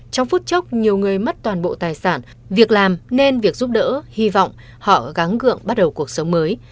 trong phút chốc nhiều người mất toàn bộ tài sản việc làm nên việc giúp đỡ hy vọng họ gáng gượng bắt đầu cuộc sống mới